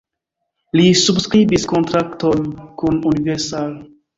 Li subskribis kontrakton kun Universal.